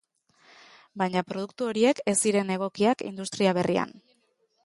Baina produktu horiek ez ziren egokiak industria berrian.